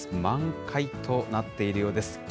満開となっているようです。